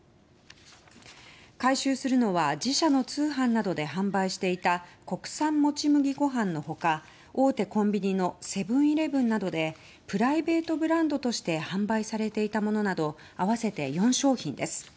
回収するのは自社の通販などで販売していた国産もち麦ごはんの他大手コンビニのセブン‐イレブンなどでプライベートブランドとして販売されていたものなど合わせて４商品です。